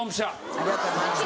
ありがとうございます。